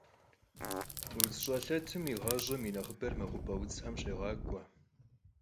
УдзщӀэлъэтым и гъащӀэм и нэхъыбэр мэкъупӀэ удзхэм щегъакӀуэ.